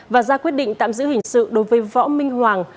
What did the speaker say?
và ra quyết định tạm giữ hình sự đối với võ minh hoàng